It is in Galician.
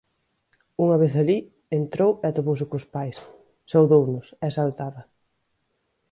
Unha vez alí, entrou e atopouse cos pais; saudounos, exaltada: